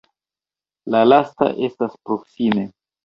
La lasta estas proksime.